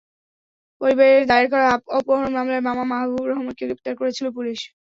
পরিবারের দায়ের করা অপহরণ মামলায় মামা মাহবুবুর রহমানকে গ্রেপ্তার করেছিল পুলিশ।